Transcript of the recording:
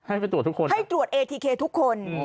ให้ไปตรวจทุกคน